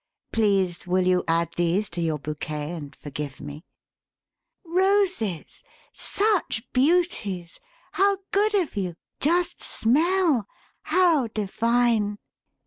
Please, will you add these to your bouquet and forgive me?" "Roses! Such beauties! How good of you! Just smell! How divine!"